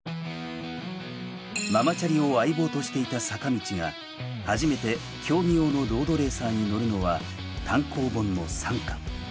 ママチャリを相棒としていた坂道が初めて競技用のロードレーサーに乗るのは単行本の３巻。